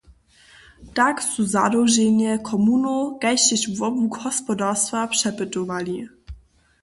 Tak su zadołženje komunow kaž tež wobłuk hospodarstwo přepytowali.